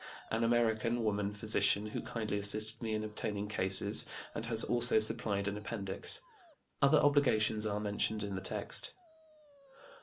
an American woman physician, who kindly assisted me in obtaining cases, and has also supplied an appendix. Other obligations are mentioned in the text.